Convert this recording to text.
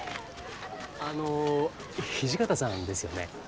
あの土方さんですよね？